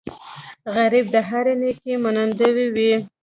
غریب د هرې نیکۍ منندوی وي